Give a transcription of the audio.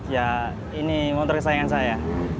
ya ini motor kesayangan saya